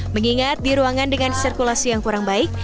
mengingat di ruangan dengan sirkulasi yang kurang baik